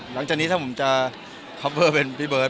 หลังจากนี้ถ้าผมจะคอปเวอร์เป็นพี่เบิร์ต